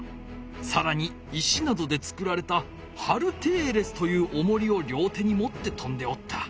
さらに石などで作られたハルテーレスというおもりを両手にもってとんでおった。